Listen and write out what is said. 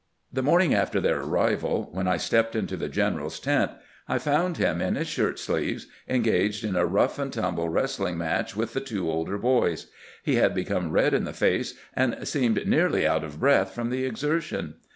The morning after their arrival, when I stepped into the general's tent, I found him in his shirt sleeves engaged in a rough and tumble wrestling match with the two older boys. He had become red in the face, and seemed nearly out of breath from the exertion.